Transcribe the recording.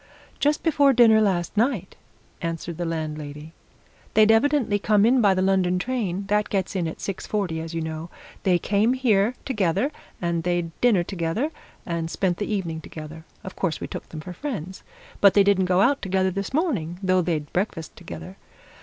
"Just before dinner, last night," answered the landlady. "They'd evidently come in by the London train that gets in at six forty, as you know. They came here together, and they'd dinner together, and spent the evening together. Of course, we took them for friends. But they didn't go out together this morning, though they'd breakfast together.